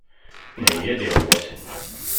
Nheyya-d iɣawasen.